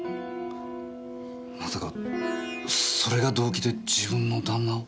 まさかそれが動機で自分の旦那を？